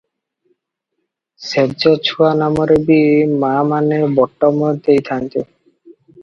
ଶେଯ ଛୁଆ ନାମରେ ବି ମାମାନେ ବଟମ ଦେଇଥାନ୍ତି ।